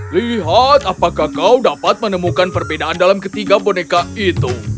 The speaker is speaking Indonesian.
lihat apakah kau dapat menemukan perbedaan dalam ketiga boneka itu